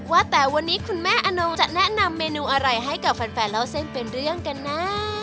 ว่าแต่วันนี้คุณแม่อนงจะแนะนำเมนูอะไรให้กับแฟนเล่าเส้นเป็นเรื่องกันนะ